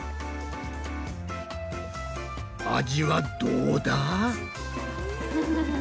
味はどうだ？